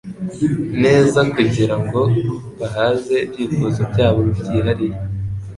neza kugira ngo bahaze ibyifuzo byabo byihariye.